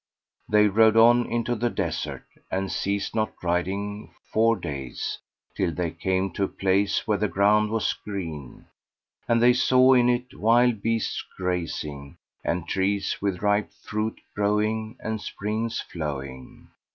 They rode on into the desert and ceased not riding four days, till they came to a place where the ground was green, and they saw in it wild beasts grazing and trees with ripe fruit growing and springs flowing.